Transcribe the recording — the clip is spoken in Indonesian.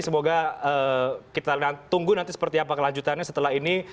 semoga kita tunggu nanti seperti apa kelanjutannya setelah ini